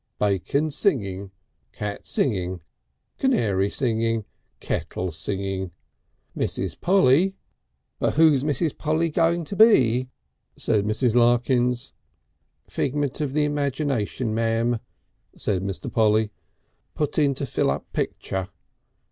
Bacon singing, cat singing, canary singing. Kettle singing. Mrs. Polly " "But who's Mrs. Polly going to be?" said Mrs. Larkins. "Figment of the imagination, ma'am," said Mr. Polly. "Put in to fill up picture.